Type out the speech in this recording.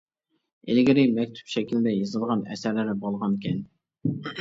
ئىلگىرى مەكتۇپ شەكىلدە يېزىلغان ئەسەرلەر بولغانىكەن.